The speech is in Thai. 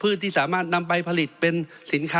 เพราะฉะนั้นโทษเหล่านี้มีทั้งสิ่งที่ผิดกฎหมายใหญ่นะครับ